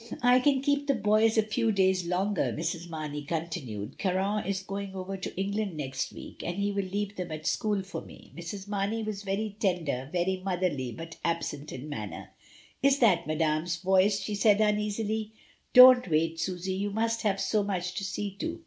"I can keep the boys a few days longer," Mrs. Marney continued. "Caron is going over to Eng land next week, and he will leave them at school for me." Mrs. Marney was very tender, very motherly, but absent in manner. "Is that Madame's voice?" she said uneasily. "Don't wait, Susy, you must have so much to see to."